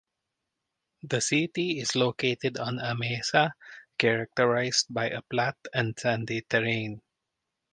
The city is located on a mesa, characterized by a flat and sandy terrain.